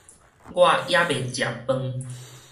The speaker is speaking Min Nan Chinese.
我猶未食飯